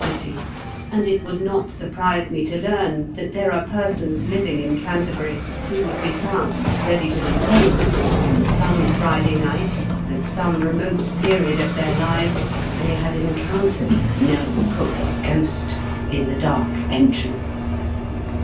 city; and it would not surprise me to learn that there are persons living in Canterbury who would be found ready to depose that, on some Friday night, at some remote period of their lives, they had encountered " Nell Cook's ghost '' in the Dark Entry.